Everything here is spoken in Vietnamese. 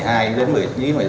đây là một điều thượng lợi